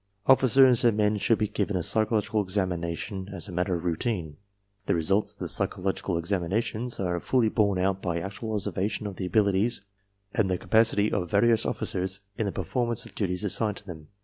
"Ofl&cers and men should be given a psychological examination as a matter of routine. "The results of the psychological examinations are fully borne out by actual observation of the abilities and the capacity of various officers in the performance of duties assigned to them.